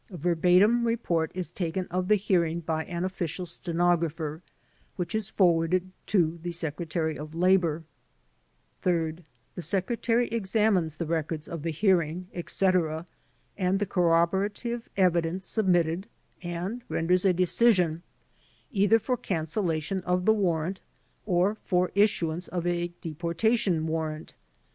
A verbatim report is taken of the hear ing by an official stenographer which is forwarded to the Secretary of Labor. Third: The Secretary examinee the records of the WHAT THE DEPORTATION LAWS PROVIDE 15 hearing, etc., and the corroborative evidence submitted and renders a decision, either for cancellation of the ivarrant or for issuance of a deportation warrant.